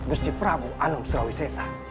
gusti prabu anung surawisesa